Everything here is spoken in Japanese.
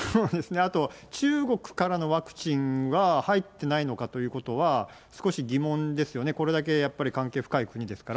あと、中国からのワクチンは入ってないのかということは少し疑問ですよね、これだけやっぱり、関係深い国ですから。